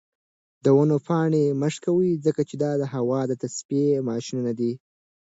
د ونو پاڼې مه شکوئ ځکه چې دا د هوا د تصفیې ماشینونه دي.